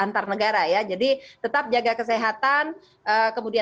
terima kasih pak budi